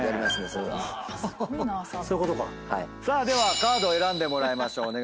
ではカードを選んでもらいましょう。